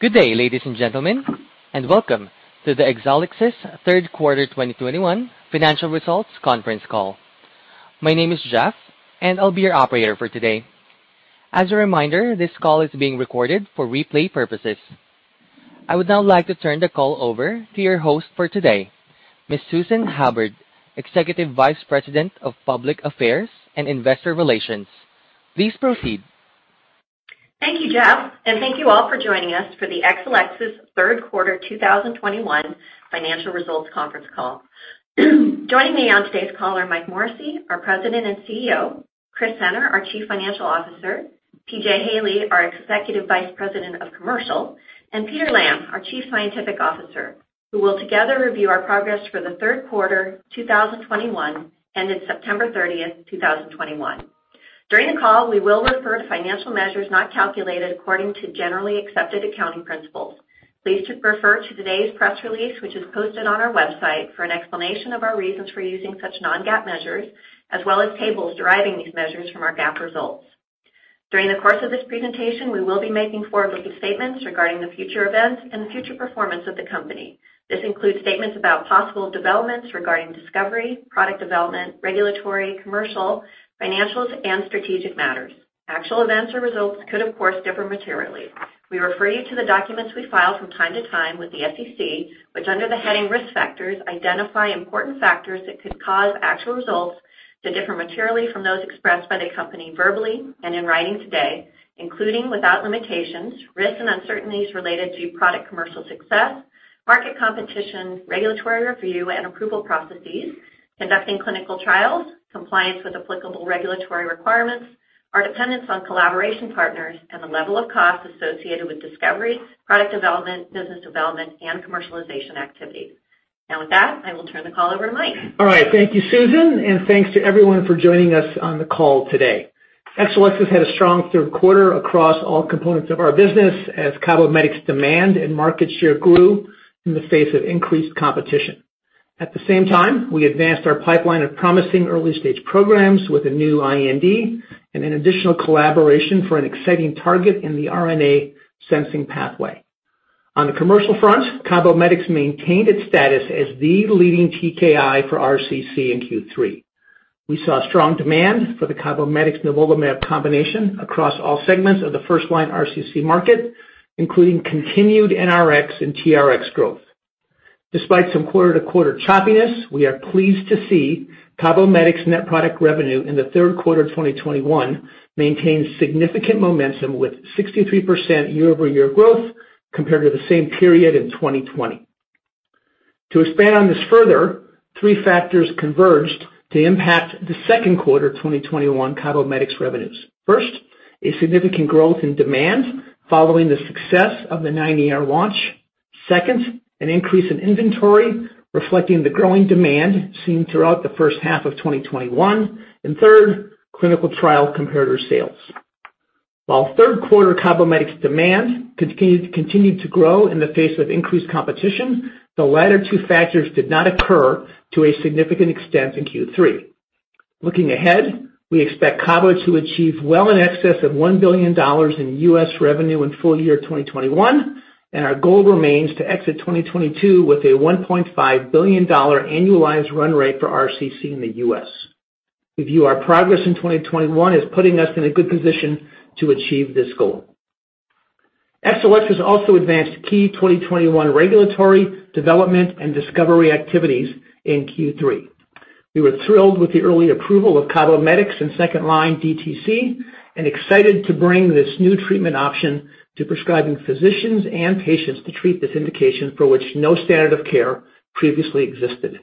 Good day, ladies and gentlemen, and welcome to the Exelixis Third Quarter 2021 Financial Results conference call. My name is Jeff, and I'll be your operator for today. As a reminder, this call is being recorded for replay purposes. I would now like to turn the call over to your host for today, Ms. Susan Hubbard, Executive Vice President of Public Affairs and Investor Relations. Please proceed. Thank you, Jeff, and thank you all for joining us for the Exelixis Third Quarter 2021 Financial Results conference call. Joining me on today's call are Mike Morrissey, our President and CEO, Chris Senner, our Chief Financial Officer, P.J. Haley, our Executive Vice President of Commercial, and Peter Lamb, our Chief Scientific Officer, who will together review our progress for the third quarter 2021, ended September 30, 2021. During the call, we will refer to financial measures not calculated according to generally accepted accounting principles. Please refer to today's press release, which is posted on our website, for an explanation of our reasons for using such non-GAAP measures, as well as tables deriving these measures from our GAAP results. During the course of this presentation, we will be making forward-looking statements regarding the future events and the future performance of the company. This includes statements about possible developments regarding discovery, product development, regulatory, commercial, financials, and strategic matters. Actual events or results could, of course, differ materially. We refer you to the documents we file from time to time with the SEC, which, under the heading Risk Factors, identify important factors that could cause actual results to differ materially from those expressed by the company verbally and in writing today, including, without limitations, risks and uncertainties related to product commercial success, market competition, regulatory review and approval processes, conducting clinical trials, compliance with applicable regulatory requirements, our dependence on collaboration partners, and the level of costs associated with discoveries, product development, business development, and commercialization activities. Now, with that, I will turn the call over to Mike. All right. Thank you, Susan, and thanks to everyone for joining us on the call today. Exelixis had a strong third quarter across all components of our business as CABOMETYX demand and market share grew in the face of increased competition. At the same time, we advanced our pipeline of promising early-stage programs with a new IND and an additional collaboration for an exciting target in the RNA sensing pathway. On the commercial front, CABOMETYX maintained its status as the leading TKI for RCC in Q3. We saw strong demand for the CABOMETYX-nivolumab combination across all segments of the first-line RCC market, including continued NRX and TRX growth. Despite some quarter-to-quarter choppiness, we are pleased to see CABOMETYX net product revenue in the third quarter 2021 maintain significant momentum with 63% year-over-year growth compared to the same period in 2020. To expand on this further, three factors converged to impact the second quarter 2021 CABOMETYX revenues. First, a significant growth in demand following the success of the 9ER launch. Second, an increase in inventory reflecting the growing demand seen throughout the first half of 2021. Third, clinical trial comparator sales. While third quarter CABOMETYX demand continued to grow in the face of increased competition, the latter two factors did not occur to a significant extent in Q3. Looking ahead, we expect CABO to achieve well in excess of $1 billion in U.S. revenue in full year 2021, and our goal remains to exit 2022 with a $1.5 billion annualized run rate for RCC in the U.S. We view our progress in 2021 as putting us in a good position to achieve this goal. Exelixis also advanced key 2021 regulatory, development, and discovery activities in Q3. We were thrilled with the early approval of CABOMETYX in second-line DTC and excited to bring this new treatment option to prescribing physicians and patients to treat this indication for which no standard of care previously existed.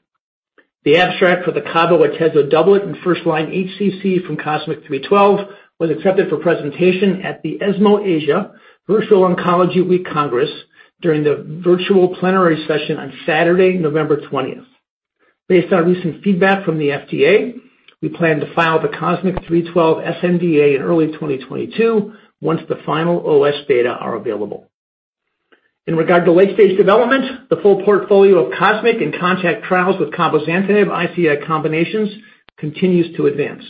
The abstract for the CABO/ATEZO doublet in first-line HCC from COSMIC-312 was accepted for presentation at the ESMO Asia Virtual Oncology Week Congress during the virtual plenary session on Saturday, November 20. Based on recent feedback from the FDA, we plan to file the COSMIC-312 sNDA in early 2022 once the final OS data are available. In regard to late-stage development, the full portfolio of COSMIC and CONTACT trials with cabozantinib/ICI combinations continues to advance.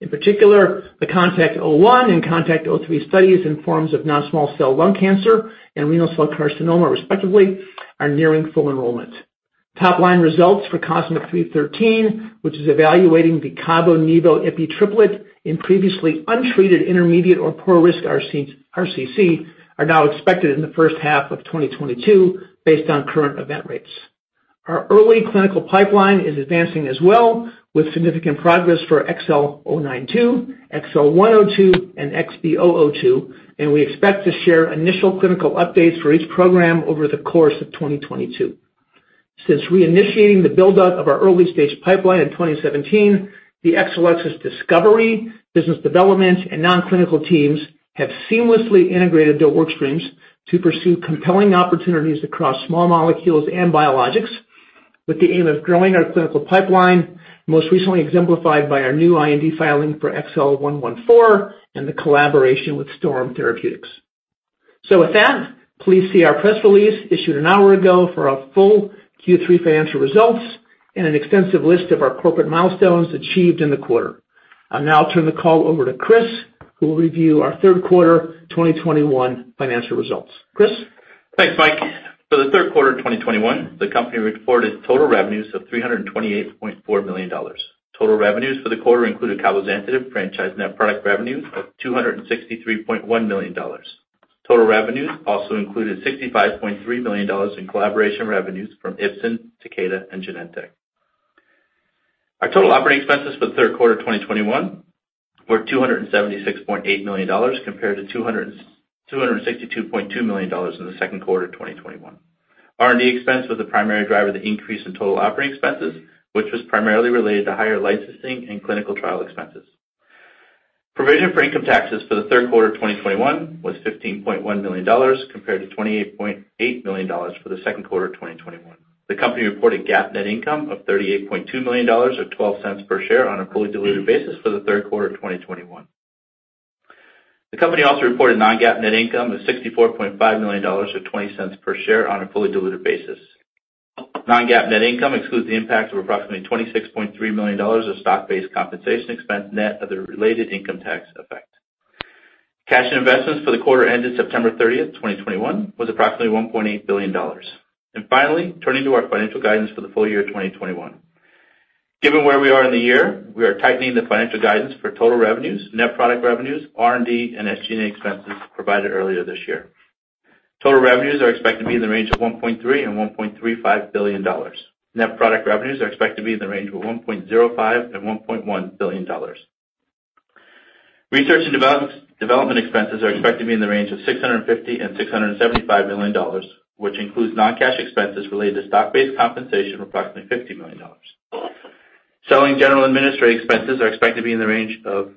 In particular, the CONTACT-01 and CONTACT-03 studies in forms of non-small cell lung cancer and renal cell carcinoma respectively are nearing full enrollment. Top-line results for COSMIC-313, which is evaluating the CABO/NIVO/IPI triplet in previously untreated intermediate- or poor-risk RCC, are now expected in the first half of 2022, based on current event rates. Our early clinical pipeline is advancing as well, with significant progress for XL092, XL102, and XB002, and we expect to share initial clinical updates for each program over the course of 2022. Since reinitiating the build-up of our early-stage pipeline in 2017, the Exelixis discovery, business development, and non-clinical teams have seamlessly integrated their work streams to pursue compelling opportunities across small molecules and biologics with the aim of growing our clinical pipeline, most recently exemplified by our new IND filing for XL114 and the collaboration with STORM Therapeutics. With that, please see our press release issued an hour ago for our full Q3 financial results and an extensive list of our corporate milestones achieved in the quarter. I'll now turn the call over to Chris, who will review our third quarter 2021 financial results. Chris? Thanks, Mike. For the third quarter of 2021, the company reported total revenues of $328.4 million. Total revenues for the quarter included cabozantinib franchise net product revenue of $263.1 million. Total revenues also included $65.3 million in collaboration revenues from Ipsen, Takeda and Genentech. O.ur total operating expenses for the third quarter 2021 were $276.8 million compared to $262.2 million in the second quarter of 2021. R&D expense was the primary driver of the increase in total operating expenses, which was primarily related to higher licensing and clinical trial expenses. Provision for income taxes for the third quarter of 2021 was $15.1 million compared to $28.8 million for the second quarter of 2021. The company reported GAAP net income of $38.2 million, or $0.12 per share on a fully diluted basis for the third quarter of 2021. The company also reported non-GAAP net income of $64.5 million, or $0.20 per share on a fully diluted basis. Non-GAAP net income excludes the impact of approximately $26.3 million of stock-based compensation expense net of the related income tax effect. Cash and investments for the quarter ended September 30, 2021 was approximately $1.8 billion. Finally, turning to our financial guidance for the full year of 2021. Given where we are in the year, we are tightening the financial guidance for total revenues, net product revenues, R&D and SG&A expenses provided earlier this year. Total revenues are expected to be in the range of $1.3 billion-$1.35 billion. Net product revenues are expected to be in the range of $1.05 billion-$1.1 billion. Research and development expenses are expected to be in the range of $650 million-$675 million, which includes non-cash expenses related to stock-based compensation of approximately $50 million. Selling general administrative expenses are expected to be in the range of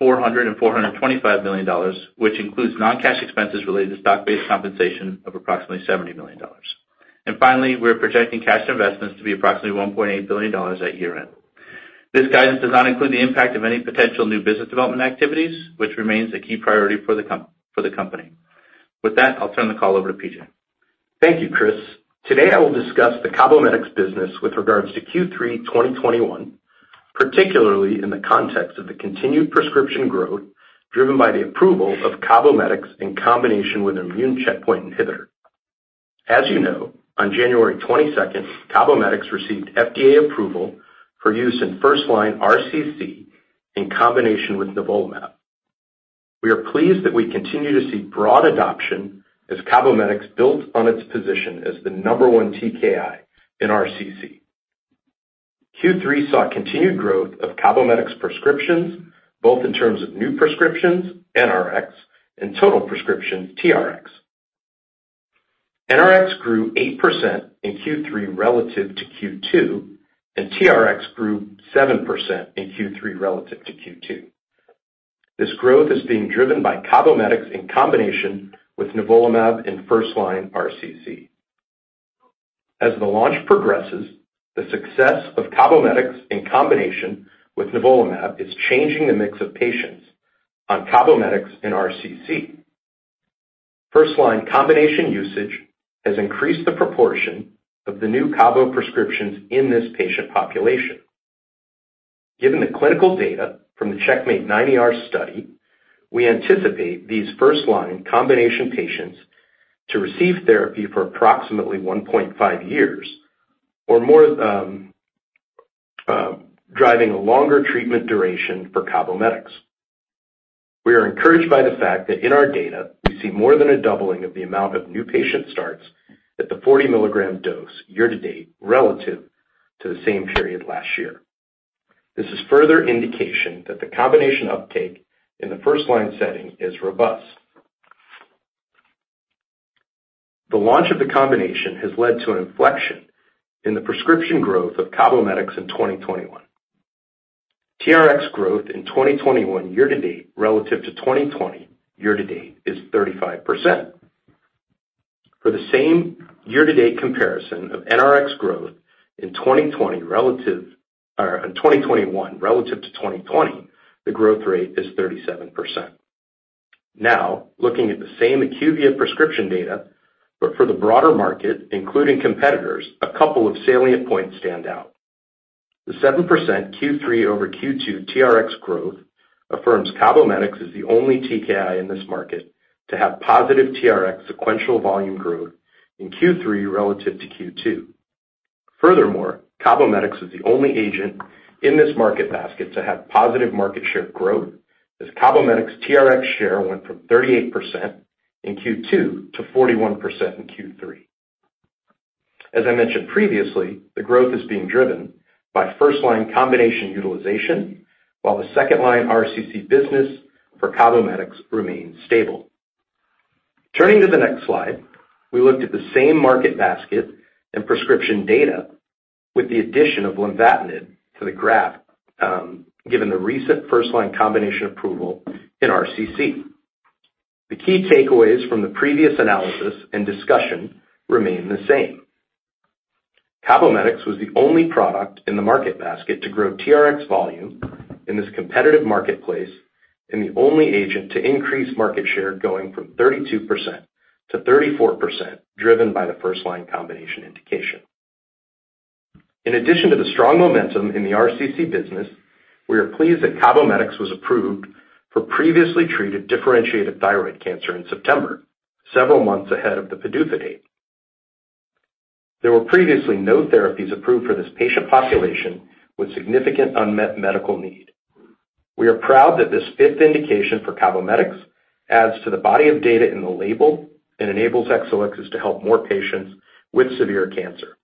$400 million-$425 million, which includes non-cash expenses related to stock-based compensation of approximately $70 million. Finally, we're projecting cash investments to be approximately $1.8 billion at year-end. This guidance does not include the impact of any potential new business development activities, which remains a key priority for the company. With that, I'll turn the call over to P.J. Thank you, Chris. Today, I will discuss the CABOMETYX business with regards to Q3 2021, particularly in the context of the continued prescription growth driven by the approval of CABOMETYX in combination with immune checkpoint inhibitor. As you know, on January 22, CABOMETYX received FDA approval for use in first-line RCC in combination with nivolumab. We are pleased that we continue to see broad adoption as CABOMETYX builds on its position as the number one TKI in RCC. Q3 saw continued growth of CABOMETYX prescriptions, both in terms of new prescriptions, NRX, and total prescriptions, TRX. NRX grew 8% in Q3 relative to Q2, and TRX grew 7% in Q3 relative to Q2. This growth is being driven by CABOMETYX in combination with nivolumab in first-line RCC. As the launch progresses, the success of CABOMETYX in combination with nivolumab is changing the mix of patients on CABOMETYX in RCC. First line combination usage has increased the proportion of the new CABO prescriptions in this patient population. Given the clinical data from the CheckMate -9ER study, we anticipate these first line combination patients to receive therapy for approximately 1.5 years or more, driving a longer treatment duration for CABOMETYX. We are encouraged by the fact that in our data we see more than a doubling of the amount of new patient starts at the 40 mg dose year to date relative to the same period last year. This is further indication that the combination uptake in the first line setting is robust. The launch of the combination has led to an inflection in the prescription growth of CABOMETYX in 2021. TRX growth in 2021 year to date relative to 2020 year to date is 35%. For the same year to date comparison of NRX growth in 2020 relative or in 2021 relative to 2020, the growth rate is 37%. Now, looking at the same IQVIA prescription data, but for the broader market, including competitors, a couple of salient points stand out. The 7% Q3 over Q2 TRX growth affirms CABOMETYX as the only TKI in this market to have positive TRX sequential volume growth in Q3 relative to Q2. Furthermore, CABOMETYX is the only agent in this market basket to have positive market share growth as CABOMETYX TRX share went from 38% in Q2 to 41% in Q3. As I mentioned previously, the growth is being driven by first-line combination utilization, while the second-line RCC business for CABOMETYX remains stable. Turning to the next slide, we looked at the same market basket and prescription data with the addition of lenvatinib to the graph, given the recent first-line combination approval in RCC. The key takeaways from the previous analysis and discussion remain the same. CABOMETYX was the only product in the market basket to grow TRX volume in this competitive marketplace and the only agent to increase market share going from 32% to 34%, driven by the first-line combination indication. In addition to the strong momentum in the RCC business, we are pleased that CABOMETYX was approved for previously treated differentiated thyroid cancer in September, several months ahead of the PDUFA date. There were previously no therapies approved for this patient population with significant unmet medical need. We are proud that this fifth indication for CABOMETYX adds to the body of data in the label and enables Exelixis to help more patients with severe cancer.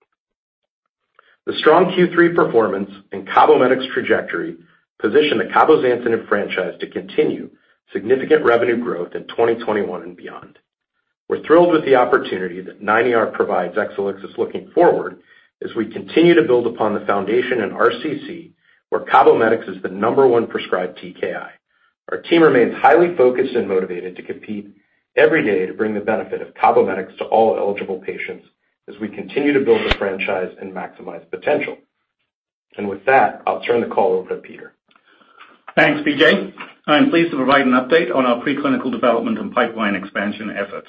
The strong Q3 performance and CABOMETYX trajectory position the cabozantinib franchise to continue significant revenue growth in 2021 and beyond. We're thrilled with the opportunity that 9ER provides Exelixis looking forward as we continue to build upon the foundation in RCC, where CABOMETYX is the number one prescribed TKI. Our team remains highly focused and motivated to compete every day to bring the benefit of CABOMETYX to all eligible patients as we continue to build the franchise and maximize potential. With that, I'll turn the call over to Peter. Thanks, P.J. I'm pleased to provide an update on our preclinical development and pipeline expansion efforts.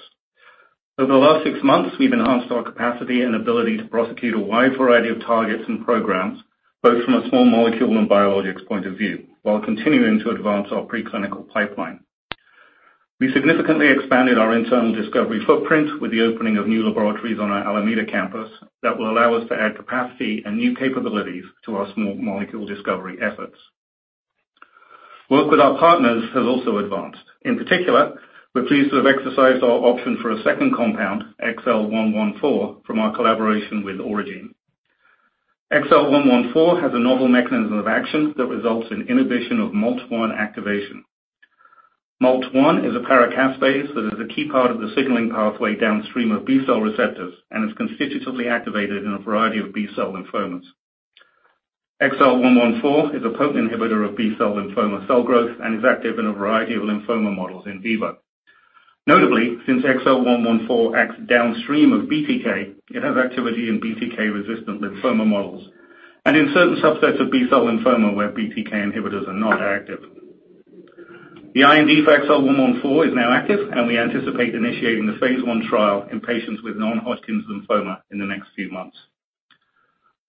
Over the last six months, we've enhanced our capacity and ability to prosecute a wide variety of targets and programs, both from a small molecule and biologics point of view, while continuing to advance our preclinical pipeline. We significantly expanded our internal discovery footprint with the opening of new laboratories on our Alameda campus that will allow us to add capacity and new capabilities to our small molecule discovery efforts. Work with our partners has also advanced. In particular, we're pleased to have exercised our option for a second compound, XL114, from our collaboration with Aurigene. XL114 has a novel mechanism of action that results in inhibition of MALT1 activation. MALT1 is a paracaspase that is a key part of the signaling pathway downstream of B-cell receptors and is constitutively activated in a variety of B-cell lymphomas. XL114 is a potent inhibitor of B-cell lymphoma cell growth and is active in a variety of lymphoma models in vivo. Notably, since XL114 acts downstream of BTK, it has activity in BTK-resistant lymphoma models and in certain subsets of B-cell lymphoma where BTK inhibitors are not active. The IND for XL114 is now active, and we anticipate initiating the phase I trial in patients with non-Hodgkin's lymphoma in the next few months.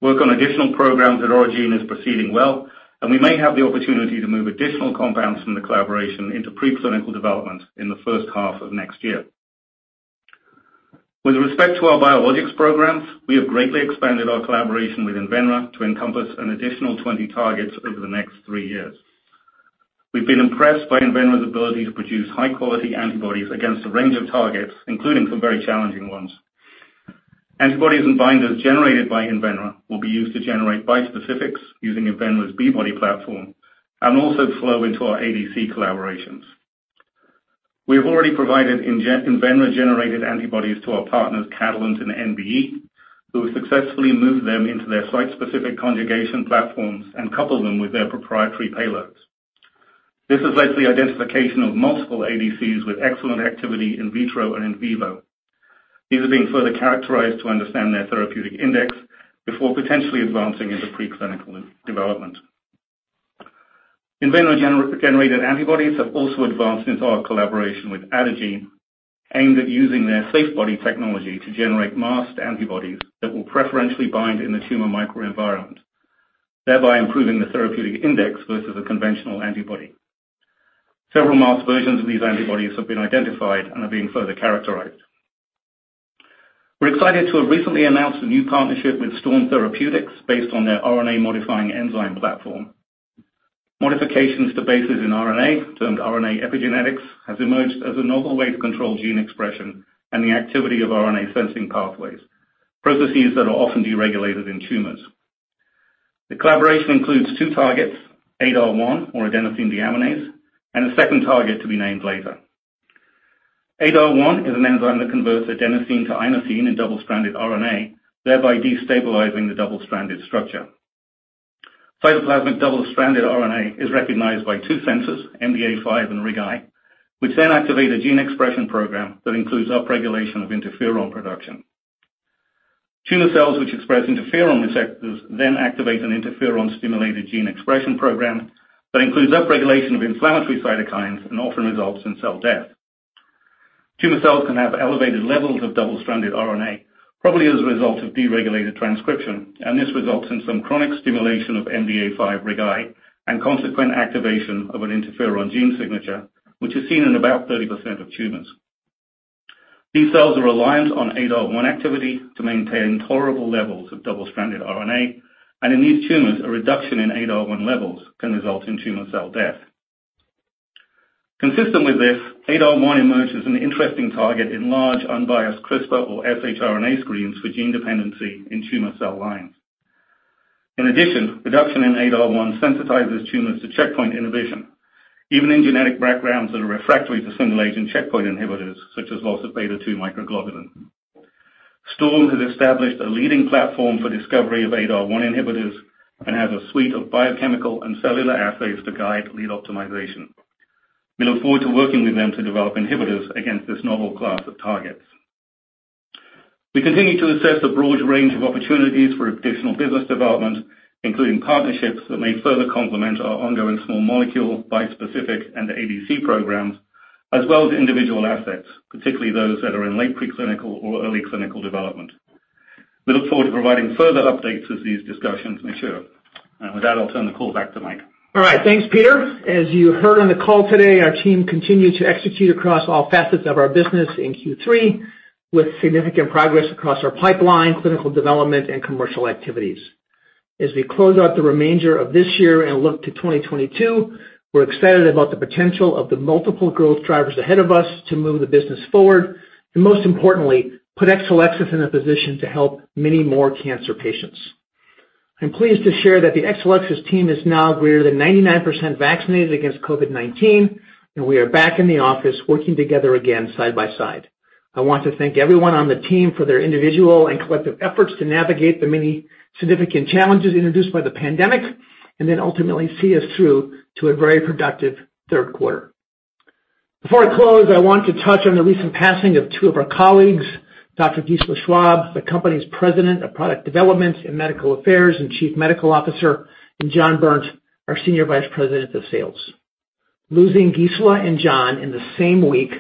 Work on additional programs at Aurigene is proceeding well, and we may have the opportunity to move additional compounds from the collaboration into preclinical development in the first half of next year. With respect to our biologics programs, we have greatly expanded our collaboration with Invenra to encompass an additional 20 targets over the next three years. We've been impressed by Invenra's ability to produce high-quality antibodies against a range of targets, including some very challenging ones. Antibodies and binders generated by Invenra will be used to generate bispecifics using Invenra's B-Body platform and also flow into our ADC collaborations. We have already provided Invenra-generated antibodies to our partners, Catalent and NBE, who have successfully moved them into their site-specific conjugation platforms and coupled them with their proprietary payloads. This has led to the identification of multiple ADCs with excellent activity in vitro and in vivo. These are being further characterized to understand their therapeutic index before potentially advancing into preclinical development. Invenra-generated antibodies have also advanced into our collaboration with Adagene, aimed at using their SAFEbody technology to generate masked antibodies that will preferentially bind in the tumor microenvironment, thereby improving the therapeutic index versus a conventional antibody. Several masked versions of these antibodies have been identified and are being further characterized. We're excited to have recently announced a new partnership with STORM Therapeutics based on their RNA-modifying enzyme platform. Modifications to bases in RNA, termed RNA epigenetics, has emerged as a novel way to control gene expression and the activity of RNA-sensing pathways, processes that are often deregulated in tumors. The collaboration includes two targets, ADAR1 or adenosine deaminase, and a second target to be named later. ADAR1 is an enzyme that converts adenosine to inosine in double-stranded RNA, thereby destabilizing the double-stranded structure. Cytoplasmic double-stranded RNA is recognized by two sensors, MDA5 and RIG-I, which then activate a gene expression program that includes upregulation of interferon production. Tumor cells which express interferon receptors then activate an interferon-stimulated gene expression program that includes upregulation of inflammatory cytokines and often results in cell death. Tumor cells can have elevated levels of double-stranded RNA, probably as a result of deregulated transcription, and this results in some chronic stimulation of MDA5 RIG-I and consequent activation of an interferon gene signature, which is seen in about 30% of tumors. These cells are reliant on ADAR1 activity to maintain tolerable levels of double-stranded RNA, and in these tumors, a reduction in ADAR1 levels can result in tumor cell death. Consistent with this, ADAR1 emerges as an interesting target in large unbiased CRISPR or shRNA screens for gene dependency in tumor cell lines. In addition, reduction in ADAR1 sensitizes tumors to checkpoint inhibition, even in genetic backgrounds that are refractory to single-agent checkpoint inhibitors, such as loss of beta-2 microglobulin. STORM has established a leading platform for discovery of ADAR1 inhibitors and has a suite of biochemical and cellular assays to guide lead optimization. We look forward to working with them to develop inhibitors against this novel class of targets. We continue to assess a broad range of opportunities for additional business development, including partnerships that may further complement our ongoing small molecule, bispecific, and ADC programs. As well as individual assets, particularly those that are in late preclinical or early clinical development. We look forward to providing further updates as these discussions mature. With that, I'll turn the call back to Mike. All right. Thanks, Peter. As you heard on the call today, our team continued to execute across all facets of our business in Q3, with significant progress across our pipeline, clinical development and commercial activities. As we close out the remainder of this year and look to 2022, we're excited about the potential of the multiple growth drivers ahead of us to move the business forward, and most importantly, put Exelixis in a position to help many more cancer patients. I'm pleased to share that the Exelixis team is now greater than 99% vaccinated against COVID-19, and we are back in the office working together again side by side. I want to thank everyone on the team for their individual and collective efforts to navigate the many significant challenges introduced by the pandemic, and then ultimately see us through to a very productive third quarter. Before I close, I want to touch on the recent passing of two of our colleagues, Dr. Gisela Schwab, the company's President of Product Development and Medical Affairs, and Chief Medical Officer, and Jon Berndt, our Senior Vice President of Sales. Losing Gisela and Jon in the same week,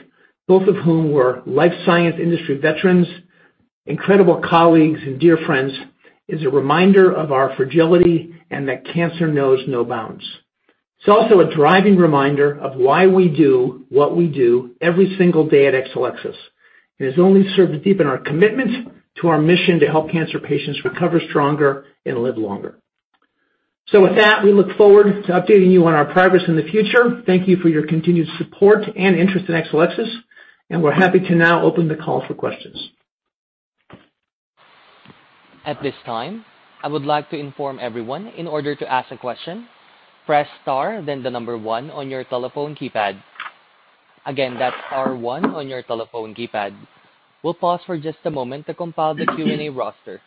both of whom were life science industry veterans, incredible colleagues and dear friends, is a reminder of our fragility and that cancer knows no bounds. It's also a driving reminder of why we do what we do every single day at Exelixis. It has only served to deepen our commitment to our mission to help cancer patients recover stronger and live longer. With that, we look forward to updating you on our progress in the future. Thank you for your continued support and interest in Exelixis, and we're happy to now open the call for questions. At this time, I would like to inform everyone, in order to ask a question, press star then the number one on your telephone keypad. Again, that's star one on your telephone keypad. We'll pause for just a moment to compile the Q&A roster.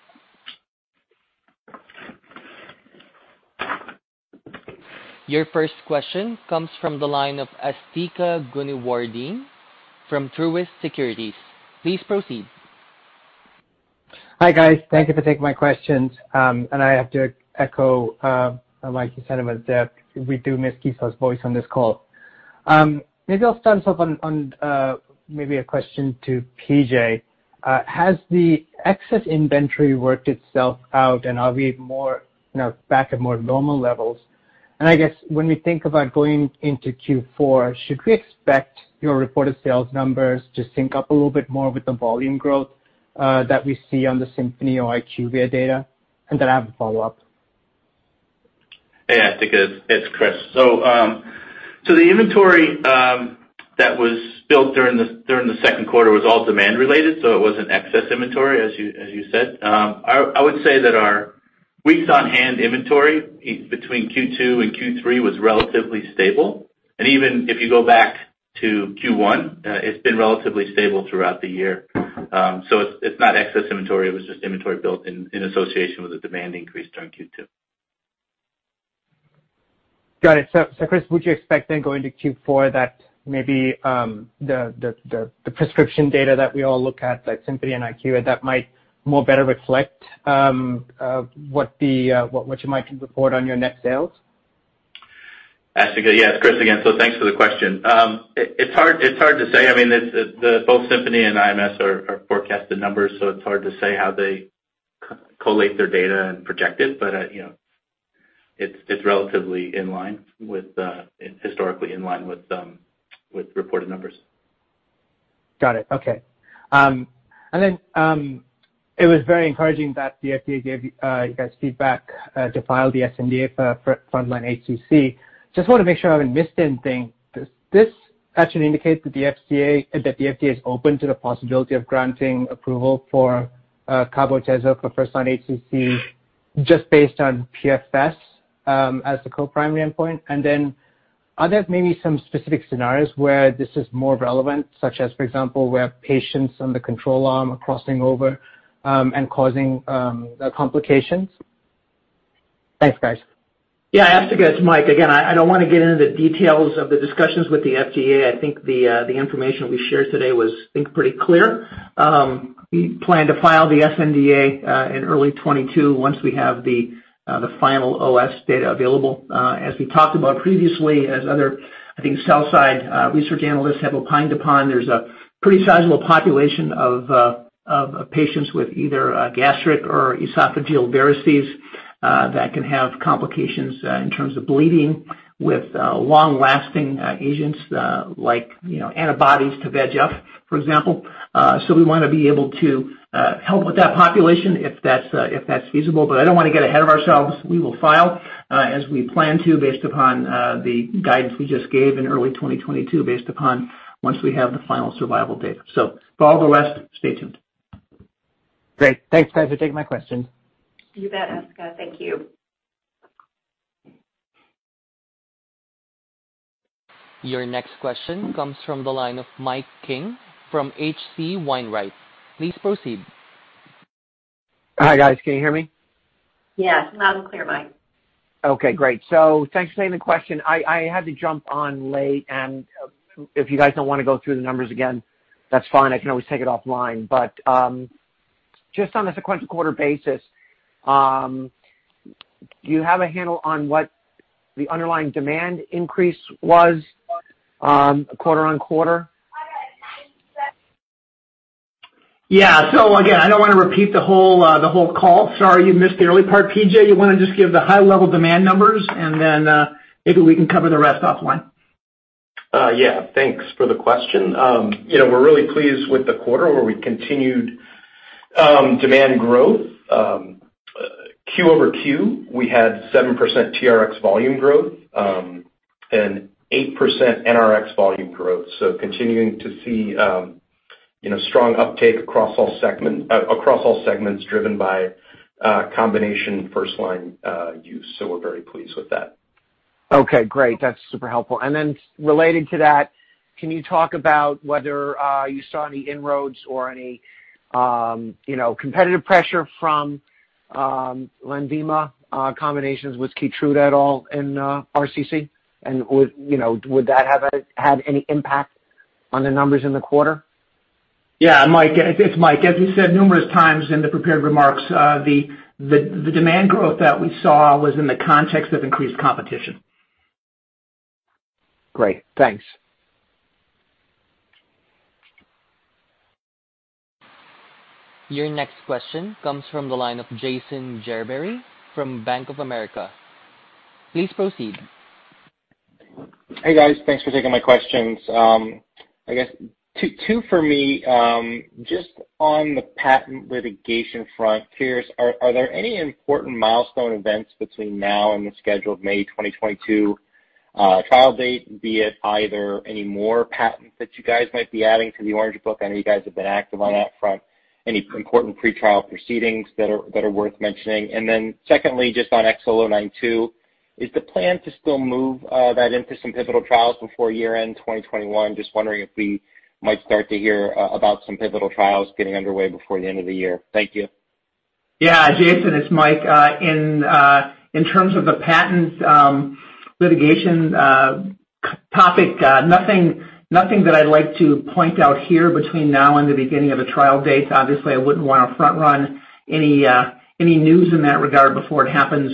Your first question comes from the line of Asthika Goonewardene from Truist Securities. Please proceed. Hi, guys. Thank you for taking my questions. I have to echo Mike's sentiments that we do miss Gisela's voice on this call. Maybe I'll start us off on maybe a question to P.J. Has the excess inventory worked itself out, and are we more, you know, back at more normal levels? I guess when we think about going into Q4, should we expect your reported sales numbers to sync up a little bit more with the volume growth that we see on the Symphony or IQVIA data? Then I have a follow-up. Hey, Asthika. It's Chris. The inventory that was built during the second quarter was all demand related, so it wasn't excess inventory, as you said. I would say that our weeks on hand inventory between Q2 and Q3 was relatively stable. Even if you go back to Q1, it's been relatively stable throughout the year. It's not excess inventory. It was just inventory built in association with the demand increase during Q2. Got it. Chris, would you expect then going to Q4 that maybe the prescription data that we all look at, like Symphony and IQ, that might more better reflect what you might report on your next sales? Asthika, yes, Chris again. Thanks for the question. It's hard to say. I mean, it's that both Symphony and IMS are forecasted numbers, so it's hard to say how they collect their data and project it. You know, it's relatively in line with historically in line with reported numbers. Got it. Okay. It was very encouraging that the FDA gave you guys feedback to file the sNDA for frontline HCC. Just wanna make sure I haven't missed anything. Does this actually indicate that the FDA is open to the possibility of granting approval for CABO/ATEZO for first-line HCC just based on PFS as the co-primary endpoint? Are there maybe some specific scenarios where this is more relevant, such as, for example, where patients on the control arm are crossing over and causing the complications? Thanks, guys. Yeah. Asthika, it's Mike again. I don't wanna get into the details of the discussions with the FDA. I think the information we shared today was, I think, pretty clear. We plan to file the sNDA in early 2022 once we have the final OS data available. As we talked about previously, as other, I think, sell-side research analysts have opined upon, there's a pretty sizable population of patients with either gastric or esophageal varices that can have complications in terms of bleeding with long-lasting agents like, you know, antibodies to VEGF, for example. So we wanna be able to help with that population if that's feasible. But I don't wanna get ahead of ourselves. We will file as we plan to based upon the guidance we just gave in early 2022 based upon once we have the final survival data. For all the rest, stay tuned. Great. Thanks, guys, for taking my questions. You bet, Asthika. Thank you. Your next question comes from the line of Mike King from H.C. Wainwright. Please proceed. Hi, guys. Can you hear me? Yes. Loud and clear, Mike. Okay, great. Thanks for taking the question. I had to jump on late and if you guys don't wanna go through the numbers again, that's fine. I can always take it offline. Just on a sequential quarter basis, do you have a handle on what the underlying demand increase was, quarter on quarter? Yeah. Again, I don't wanna repeat the whole call. Sorry you missed the early part. P.J., you wanna just give the high level demand numbers and then, maybe we can cover the rest offline. Yeah. Thanks for the question. You know, we're really pleased with the quarter where we continued demand growth. Q over Q, we had 7% TRX volume growth, and 8% NRX volume growth. Continuing to see, you know, strong uptake across all segments driven by a combination first line use. We're very pleased with that. Okay, great. That's super helpful. Related to that, can you talk about whether you saw any inroads or any, you know, competitive pressure from LENVIMA combinations with KEYTRUDA at all in RCC? You know, would that have had any impact on the numbers in the quarter? Yeah. Mike, it's Mike. As we said numerous times in the prepared remarks, the demand growth that we saw was in the context of increased competition. Great. Thanks. Your next question comes from the line of Jason Gerberry from Bank of America. Please proceed. Hey, guys. Thanks for taking my questions. I guess two for me. Just on the patent litigation front, are there any important milestone events between now and the scheduled May 2022 trial date, be it either any more patents that you guys might be adding to the Orange Book? I know you guys have been active on that front. Any important pretrial proceedings that are worth mentioning? Then secondly, just on XL092, is the plan to still move that into some pivotal trials before year-end 2021? Just wondering if we might start to hear about some pivotal trials getting underway before the end of the year. Thank you. Yeah. Jason, it's Mike. In terms of the patent litigation topic, nothing that I'd like to point out here between now and the beginning of a trial date. Obviously, I wouldn't wanna front run any news in that regard before it happens.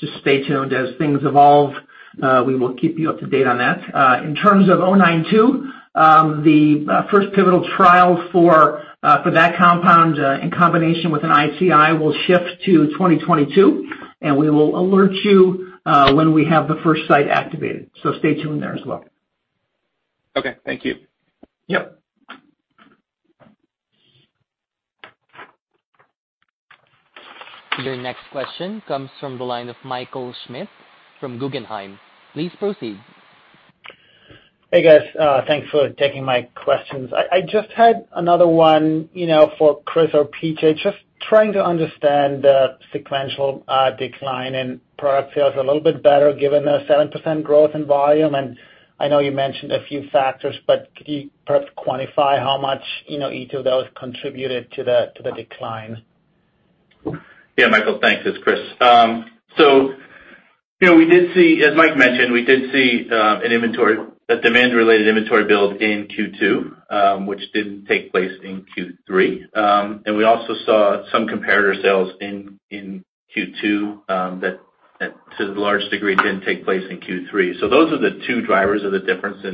Just stay tuned as things evolve, we will keep you up to date on that. In terms of 092, the first pivotal trial for that compound in combination with an ICI will shift to 2022, and we will alert you when we have the first site activated. Stay tuned there as well. Okay, thank you. Yep. Your next question comes from the line of Michael Schmidt from Guggenheim. Please proceed. Hey, guys. Thanks for taking my questions. I just had another one, you know, for Chris or P.J., just trying to understand the sequential decline in product sales a little bit better given the 7% growth in volume. I know you mentioned a few factors, but could you perhaps quantify how much, you know, each of those contributed to the decline? Yeah, Michael. Thanks. It's Chris. You know, we did see, as Mike mentioned, a demand-related inventory build in Q2, which didn't take place in Q3. We also saw some comparator sales in Q2 that to a large degree didn't take place in Q3. Those are the two drivers of the difference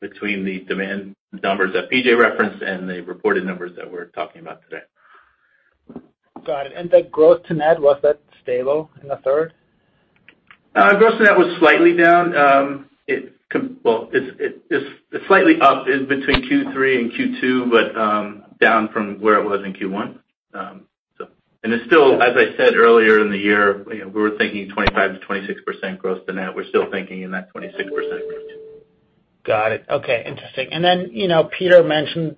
between the demand numbers that P.J. referenced and the reported numbers that we're talking about today. Got it. The growth to net, was that stable in the third? Growth to net was slightly down. It's slightly up between Q2 and Q3, but down from where it was in Q1. It's still, as I said earlier in the year, you know, we were thinking 25%-26% growth to net. We're still thinking in that 26% growth. Got it. Okay, interesting. You know, Peter mentioned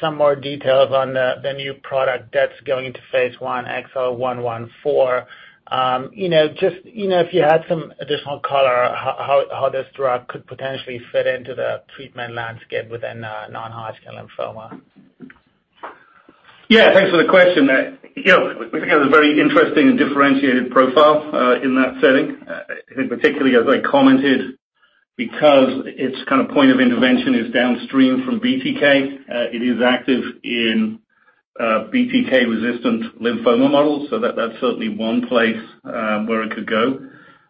some more details on the new product that's going into phase I, XL114. You know, just, you know, if you had some additional color on how this drug could potentially fit into the treatment landscape within non-Hodgkin lymphoma. Yeah, thanks for the question. You know, we think it has a very interesting and differentiated profile in that setting, and particularly as I commented, because its kind of point of intervention is downstream from BTK, it is active in BTK-resistant lymphoma models. So that's certainly one place where it could go.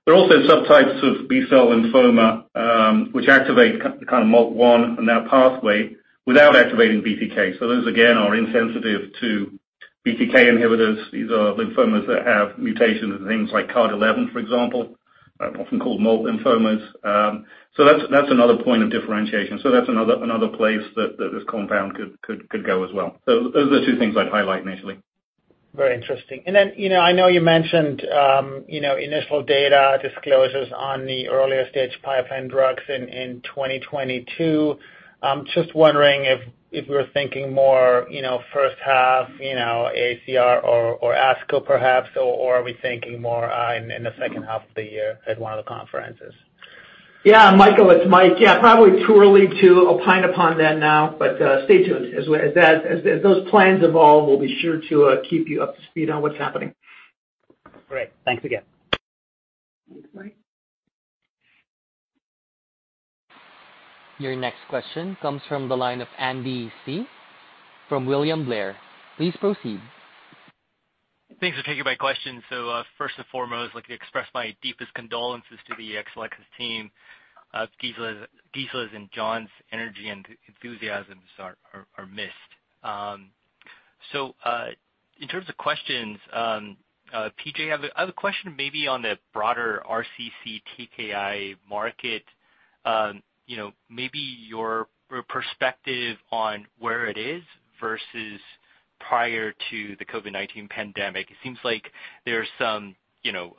There are also subtypes of B-cell lymphoma which activate kind of MALT1 and that pathway without activating BTK. So those again are insensitive to BTK inhibitors. These are lymphomas that have mutations of things like CARD11 for example, often called MALT lymphomas. So that's another point of differentiation. So that's another place that this compound could go as well. So those are two things I'd highlight initially. Very interesting. Then, you know, I know you mentioned, you know, initial data disclosures on the earlier stage pipeline drugs in 2022. I'm just wondering if we're thinking more, you know, first half, you know, AACR or ASCO perhaps, or are we thinking more in the second half of the year at one of the conferences? Yeah, Michael, it's Mike. Yeah, probably too early to opine upon that now, but stay tuned. As those plans evolve, we'll be sure to keep you up to speed on what's happening. Great. Thanks again. Thanks, Mike. Your next question comes from the line of Andy Hsieh from William Blair. Please proceed. Thanks for taking my question. First and foremost, I'd like to express my deepest condolences to the Exelixis team. Gisela's and Jon's energy and enthusiasms are missed. In terms of questions, P.J., I have a question maybe on the broader RCC TKI market, you know, maybe your perspective on where it is versus prior to the COVID-19 pandemic. It seems like there's some, you know,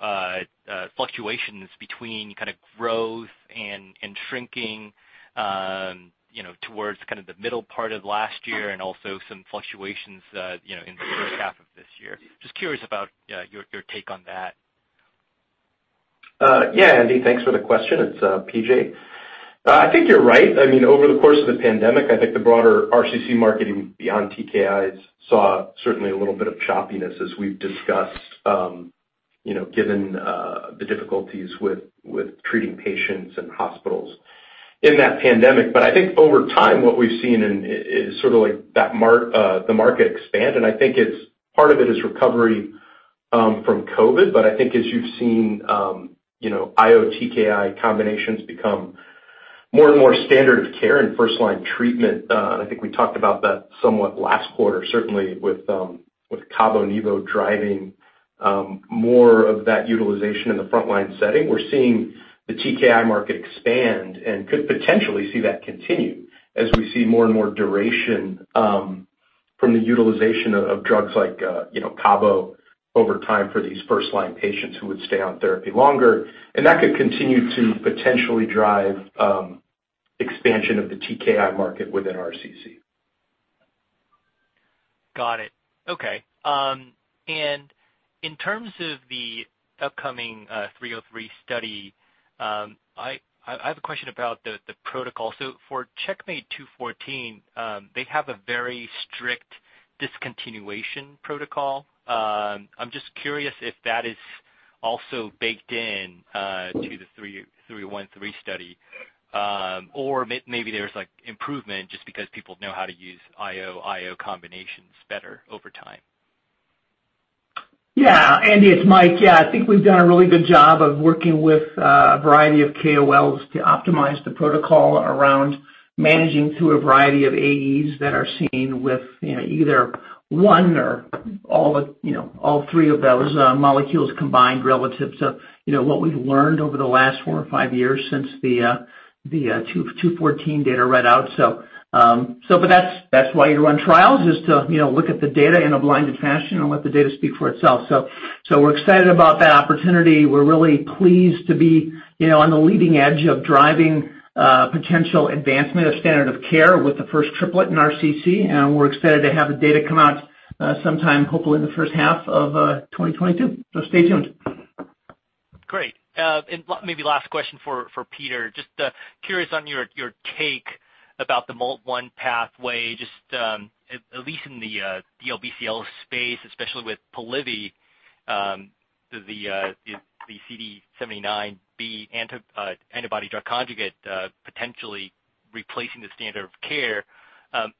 fluctuations between kind of growth and shrinking, you know, towards kind of the middle part of last year and also some fluctuations, you know, in the first half of this year. Just curious about your take on that. Yeah, Andy, thanks for the question. It's P.J. I think you're right. I mean, over the course of the pandemic, I think the broader RCC marketing beyond TKIs saw certainly a little bit of choppiness as we've discussed, you know, given the difficulties with treating patients and hospitals in that pandemic. I think over time, what we've seen is sort of like the market expand, and I think it's part of it is recovery from COVID. I think as you've seen, you know, IO TKI combinations become more and more standard of care in first-line treatment, and I think we talked about that somewhat last quarter, certainly with CABO-nivo driving more of that utilization in the front-line setting. We're seeing the TKI market expand and could potentially see that continue as we see more and more duration from the utilization of drugs like, you know, CABO over time for these first line patients who would stay on therapy longer. That could continue to potentially drive expansion of the TKI market within RCC. Got it. Okay. In terms of the upcoming [303] study, I have a question about the protocol. For CheckMate 214, they have a very strict discontinuation protocol. I'm just curious if that is also baked in to the 313 study, or maybe there's like improvement just because people know how to use IO-IO combinations better over time. Yeah. Andy, it's Mike. I think we've done a really good job of working with a variety of KOLs to optimize the protocol around managing through a variety of AEs that are seen with, you know, either one or all the, you know, all three of those molecules combined relative to, you know, what we've learned over the last four or five years since the 214 data read out. But that's why you run trials is to, you know, look at the data in a blinded fashion and let the data speak for itself. We're excited about that opportunity. We're really pleased to be you know on the leading edge of driving potential advancement of standard of care with the first triplet in RCC, and we're excited to have the data come out sometime hopefully in the first half of 2022. Stay tuned. Great. Maybe last question for Peter. Just curious on your take about the MALT1 pathway, just at least in the DLBCL space, especially with POLIVY, the CD79B antibody drug conjugate, potentially replacing the standard of care.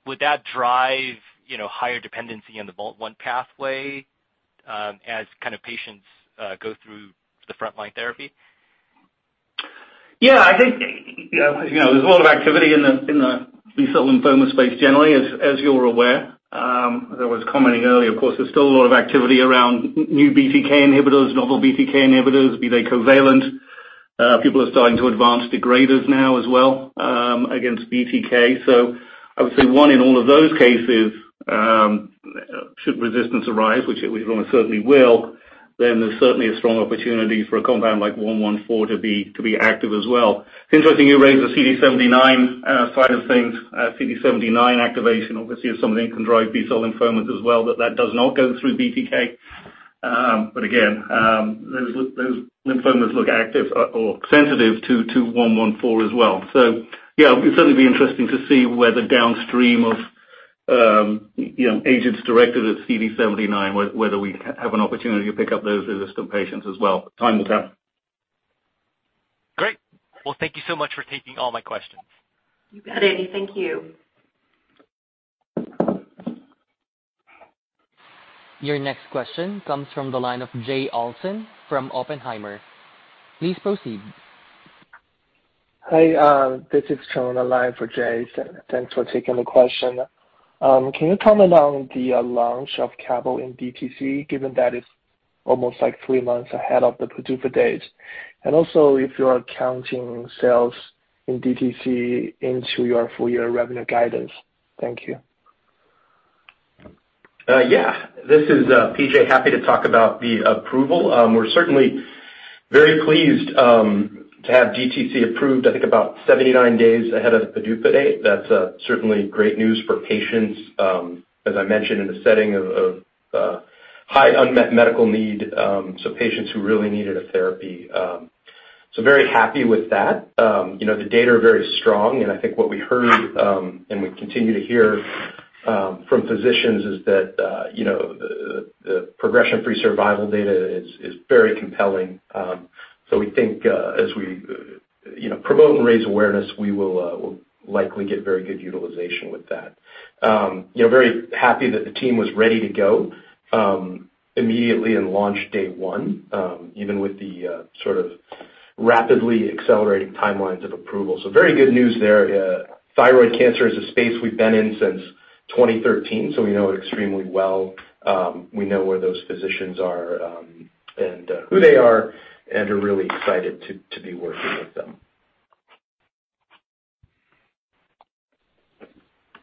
Would that drive higher dependency on the MALT1 pathway, as kind of patients go through the frontline therapy? Yeah, I think, you know, there's a lot of activity in the B-cell lymphoma space generally, as you're aware. As I was commenting earlier, of course, there's still a lot of activity around new BTK inhibitors, novel BTK inhibitors, be they covalent. People are starting to advance degraders now as well, against BTK. I would say in all of those cases, should resistance arise, which it almost certainly will, then there's certainly a strong opportunity for a compound like 114 to be active as well. It's interesting you raise the CD79 side of things. CD79 activation, obviously, is something that can drive B-cell lymphomas as well, but that does not go through BTK. Again, those lymphomas look active or sensitive to 114 as well. Yeah, it'll certainly be interesting to see where the downstream of, you know, agents directed at CD79, whether we have an opportunity to pick up those resistant patients as well. Time will tell. Great. Well, thank you so much for taking all my questions. You bet, Andy. Thank you. Your next question comes from the line of Jay Olson from Oppenheimer. Please proceed. Hi. This is Chen on the line for Jay. Thanks for taking the question. Can you comment on the launch of CABO in DTC, given that it's almost like three months ahead of the PDUFA date? Also, if you're counting sales in DTC into your full year revenue guidance? Thank you. Yeah. This is P.J. Happy to talk about the approval. We're certainly very pleased to have DTC approved, I think about 79 days ahead of the PDUFA date. That's certainly great news for patients, as I mentioned in the setting of high unmet medical need, so patients who really needed a therapy. Very happy with that. You know, the data are very strong, and I think what we heard and we continue to hear from physicians is that you know, the progression-free survival data is very compelling. We think as we you know promote and raise awareness, we will likely get very good utilization with that. You know, very happy that the team was ready to go immediately on launch day one, even with the sort of rapidly accelerating timelines of approval. Very good news there. Thyroid cancer is a space we've been in since 2013, so we know it extremely well. We know where those physicians are, and who they are, and we're really excited to be working with them.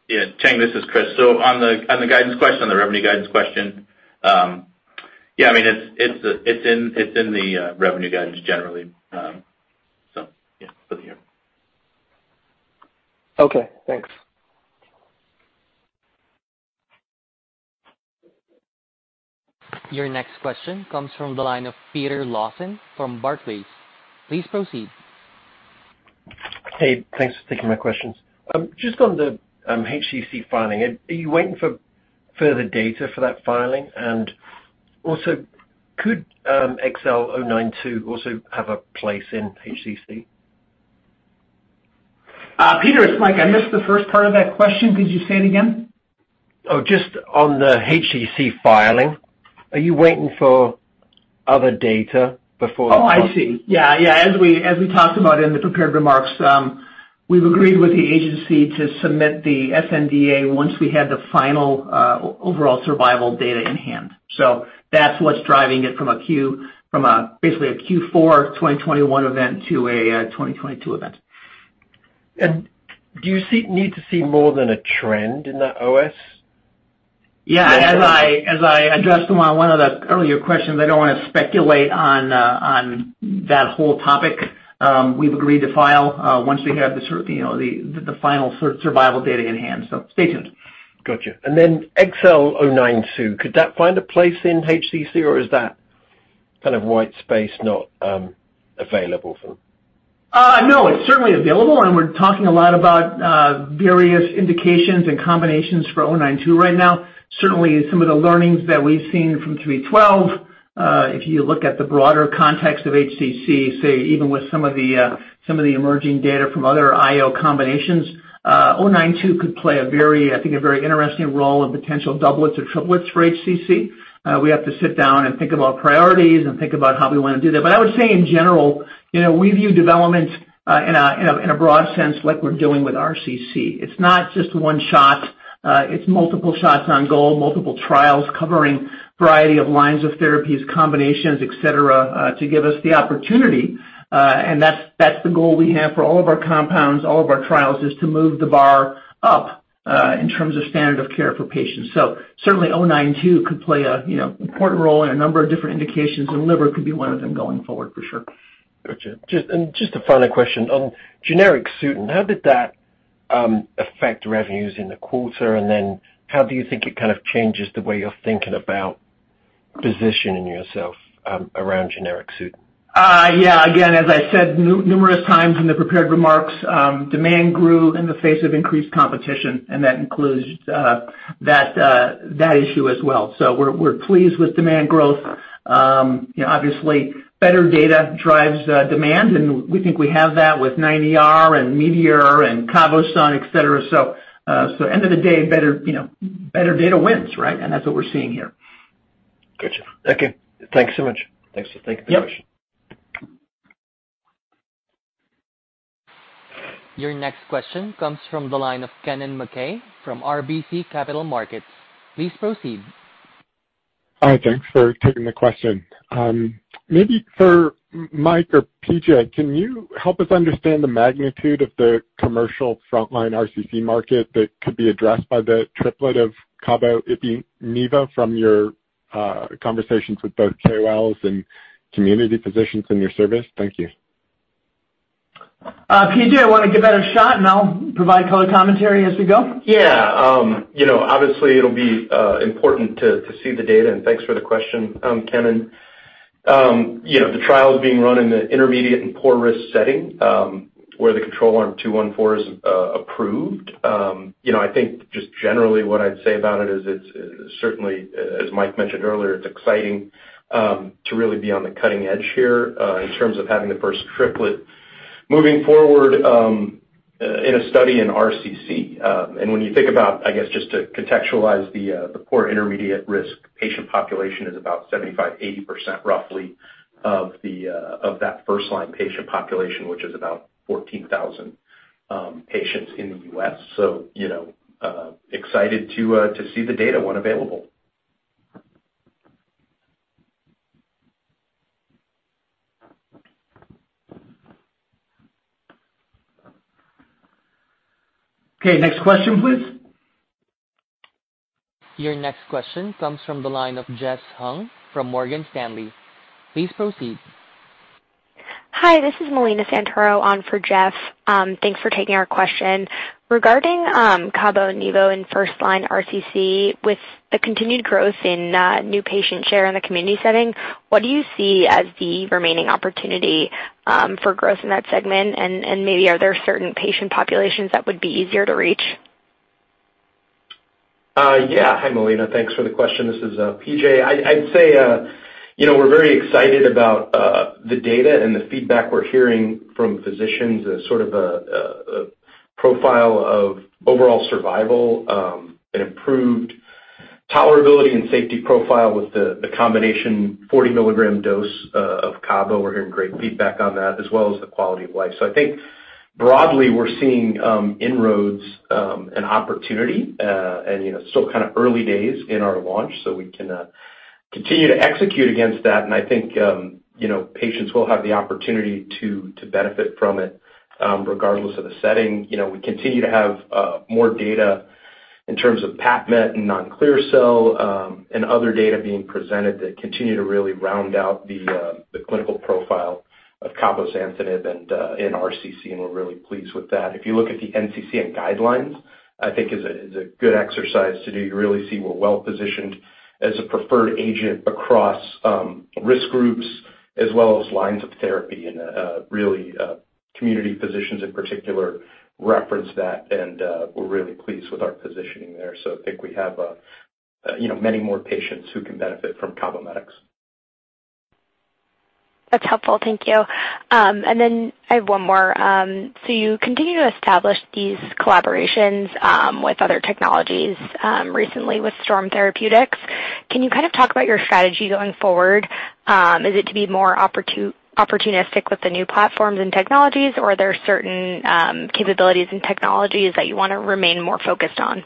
Yeah. Chen, this is Chris. On the guidance question, the revenue guidance question, yeah, I mean, it's in the revenue guidance generally. Yeah, for the year. Okay, thanks. Your next question comes from the line of Peter Lawson from Barclays. Please proceed. Hey, thanks for taking my questions. Just on the HCC filing, are you waiting for further data for that filing? Also, could XL092 also have a place in HCC? Peter, it's Mike. I missed the first part of that question. Could you say it again? Oh, just on the HCC filing, are you waiting for other data before? Oh, I see. Yeah. As we talked about in the prepared remarks, we've agreed with the agency to submit the sNDA once we have the final overall survival data in hand. That's what's driving it from basically a Q4 2021 event to a 2022 event. Do you see a need to see more than a trend in that OS? Yeah. As I addressed on one of the earlier questions, I don't wanna speculate on that whole topic. We've agreed to file once we have you know, the final survival data in hand, so stay tuned. Gotcha. XL092, could that find a place in HCC, or is that kind of white space not available for you? No, it's certainly available, and we're talking a lot about various indications and combinations for 092 right now. Certainly, some of the learnings that we've seen from 312, if you look at the broader context of HCC, say even with some of the emerging data from other IO combinations, 092 could play a very, I think, a very interesting role in potential doublets or triplets for HCC. We have to sit down and think about priorities and think about how we wanna do that. I would say in general, you know, we view developments in a broad sense like we're doing with RCC. It's not just one shot, it's multiple shots on goal, multiple trials covering a variety of lines of therapies, combinations, et cetera, to give us the opportunity, and that's the goal we have for all of our compounds, all of our trials, is to move the bar up, in terms of standard of care for patients. Certainly 092 could play a, you know, important role in a number of different indications, and liver could be one of them going forward for sure. Gotcha. Just a final question. On generic Sutent, how did that affect revenues in the quarter? How do you think it kind of changes the way you're thinking about positioning yourself around generic Sutent? Yeah, again, as I said numerous times in the prepared remarks, demand grew in the face of increased competition, and that includes that issue as well. We're pleased with demand growth. You know, obviously better data drives demand, and we think we have that with 9ER and METEOR and CABOSUN, et cetera. End of the day, better data wins, right? That's what we're seeing here. Gotcha. Okay. Thanks so much. Thanks. Thank you for the question. Yep. Your next question comes from the line of Kennen MacKay from RBC Capital Markets. Please proceed. Hi. Thanks for taking the question. Maybe for Mike or P.J., can you help us understand the magnitude of the commercial frontline RCC market that could be addressed by the triplet of cabo, ipi, nivo from your conversations with both KOLs and community physicians in your service? Thank you. P.J., wanna give that a shot, and I'll provide color commentary as we go? Yeah. You know, obviously it'll be important to see the data, and thanks for the question, Kennen. You know, the trial's being run in the intermediate and poor risk setting, where the control arm 214 is approved. You know, I think just generally what I'd say about it is it's certainly, as Mike mentioned earlier, it's exciting to really be on the cutting edge here in terms of having the first triplet moving forward in a study in RCC. And when you think about, I guess, just to contextualize the poor intermediate risk patient population is about 75%-80% roughly of that first line patient population, which is about 14,000 patients in the U.S. So, you know, excited to see the data when available. Okay, next question, please. Your next question comes from the line of Jeff Hung from Morgan Stanley. Please proceed. Hi, this is Melina Santoro on for Jeff. Thanks for taking our question. Regarding CABO and nivo in first-line RCC, with the continued growth in new patient share in the community setting, what do you see as the remaining opportunity for growth in that segment? Maybe are there certain patient populations that would be easier to reach? Hi, Melina. Thanks for the question. This is P.J. I'd say you know, we're very excited about the data and the feedback we're hearing from physicians as sort of a profile of overall survival, an improved tolerability and safety profile with the combination 40 milligram dose of CABO. We're hearing great feedback on that as well as the quality of life. I think broadly, we're seeing inroads and opportunity, and you know, still kind of early days in our launch so we can continue to execute against that. I think you know, patients will have the opportunity to benefit from it regardless of the setting. You know, we continue to have more data in terms of [papillary] and non-clear cell and other data being presented that continue to really round out the clinical profile of cabozantinib and in RCC, and we're really pleased with that. If you look at the NCCN guidelines, I think it's a good exercise to do. You really see we're well-positioned as a preferred agent across risk groups as well as lines of therapy. Really, community physicians in particular reference that, and we're really pleased with our positioning there. I think we have you know, many more patients who can benefit from CABOMETYX. That's helpful. Thank you. I have one more. You continue to establish these collaborations with other technologies, recently with STORM Therapeutics. Can you kind of talk about your strategy going forward? Is it to be more opportunistic with the new platforms and technologies, or are there certain capabilities and technologies that you wanna remain more focused on?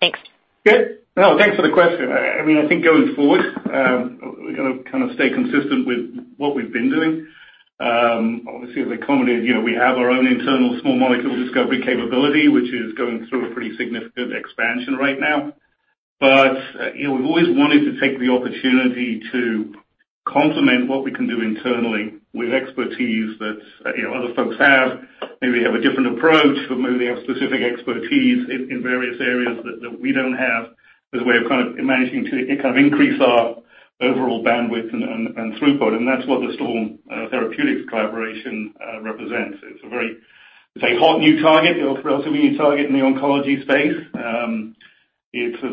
Thanks. Good. No, thanks for the question. I mean, I think going forward, we're gonna kinda stay consistent with what we've been doing. Obviously, as I commented, you know, we have our own internal small molecule discovery capability, which is going through a pretty significant expansion right now. You know, we've always wanted to take the opportunity to complement what we can do internally with expertise that, you know, other folks have. Maybe have a different approach, but maybe have specific expertise in various areas that we don't have as a way of kind of managing to kind of increase our overall bandwidth and throughput, and that's what the STORM Therapeutics collaboration represents. It's a very hot new target, relatively new target in the oncology space. It's a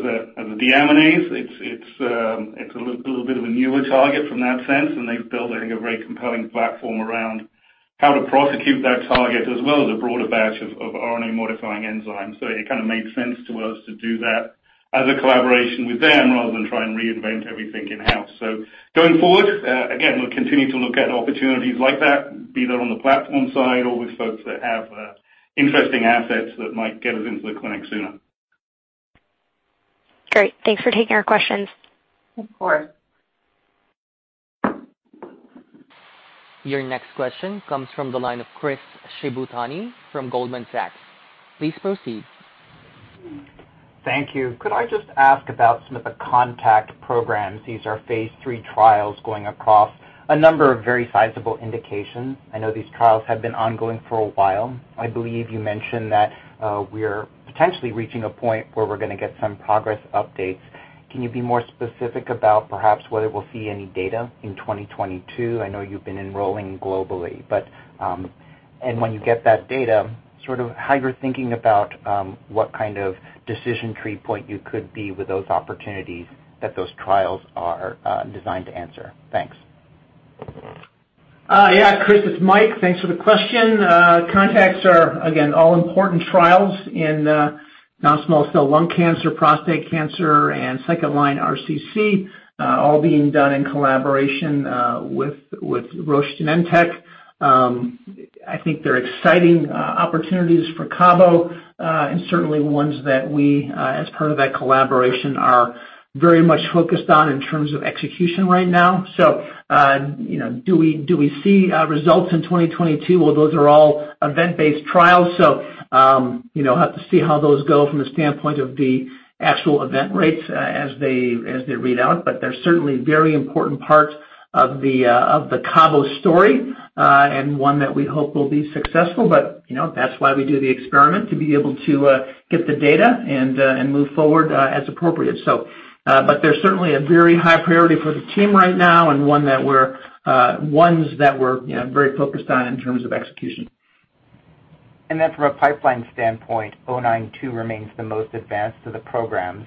deaminase. It's a little bit of a newer target from that sense, and they've built, I think, a very compelling platform around how to prosecute that target as well as a broader batch of RNA modifying enzymes. It kinda made sense to us to do that as a collaboration with them, rather than try and reinvent everything in-house. Going forward, again, we'll continue to look at opportunities like that, be that on the platform side or with folks that have interesting assets that might get us into the clinic sooner. Great. Thanks for taking our questions. Of course. Your next question comes from the line of Chris Shibutani from Goldman Sachs. Please proceed. Thank you. Could I just ask about some of the CONTACT programs? These are phase III trials going across a number of very sizable indications. I know these trials have been ongoing for a while. I believe you mentioned that we're potentially reaching a point where we're gonna get some progress updates. Can you be more specific about perhaps whether we'll see any data in 2022? I know you've been enrolling globally, but and when you get that data, sort of how you're thinking about what kind of decision tree point you could be with those opportunities that those trials are designed to answer? Thanks. Yeah, Chris, it's Mike. Thanks for the question. CONTACTs are, again, all important trials in non-small cell lung cancer, prostate cancer, and second-line RCC, all being done in collaboration with Roche Genentech. I think they're exciting opportunities for CABO, and certainly ones that we, as part of that collaboration are very much focused on in terms of execution right now. You know, do we see results in 2022? Well, those are all event-based trials, so you know, have to see how those go from the standpoint of the actual event rates as they read out. They're certainly very important parts of the CABO story, and one that we hope will be successful. You know, that's why we do the experiment, to be able to get the data and move forward as appropriate. They're certainly a very high priority for the team right now and one that we're, you know, very focused on in terms of execution. From a pipeline standpoint, 092 remains the most advanced of the programs.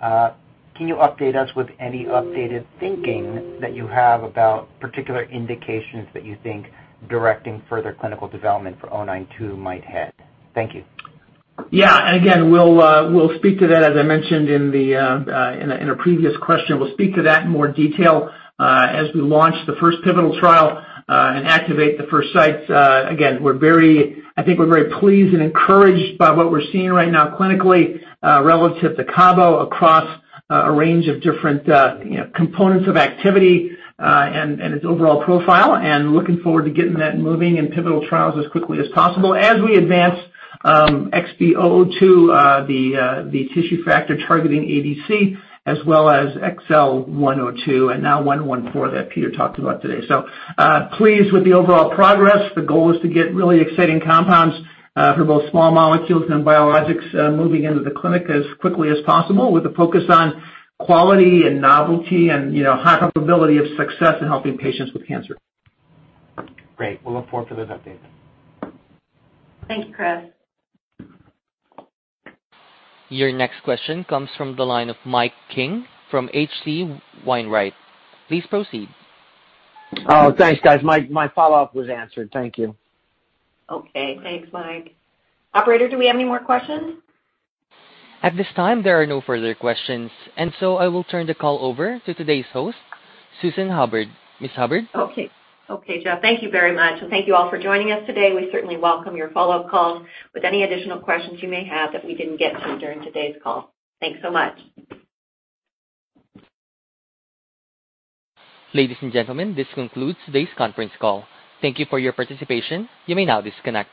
Can you update us with any updated thinking that you have about particular indications that you think directing further clinical development for 092 might head? Thank you. Yeah. Again, we'll speak to that as I mentioned in a previous question. We'll speak to that in more detail as we launch the first pivotal trial and activate the first sites. Again, I think we're very pleased and encouraged by what we're seeing right now clinically relative to CABO across a range of different you know components of activity and its overall profile. Looking forward to getting that moving in pivotal trials as quickly as possible as we advance XB002, the tissue factor-targeting ADC, as well as XL102 and XL114 that Peter talked about today. Pleased with the overall progress. The goal is to get really exciting compounds for both small molecules and biologics moving into the clinic as quickly as possible with a focus on quality and novelty and, you know, high probability of success in helping patients with cancer. Great. We'll look forward to those updates. Thanks, Chris. Your next question comes from the line of Mike King from H.C. Wainwright. Please proceed. Oh, thanks, guys. My follow-up was answered. Thank you. Okay. Thanks, Mike. Operator, do we have any more questions? At this time, there are no further questions, and so I will turn the call over to today's host, Susan Hubbard. Ms. Hubbard? Okay. Okay, Jeff. Thank you very much, and thank you all for joining us today. We certainly welcome your follow-up calls with any additional questions you may have that we didn't get to during today's call. Thanks so much. Ladies and gentlemen, this concludes today's conference call. Thank you for your participation. You may now disconnect.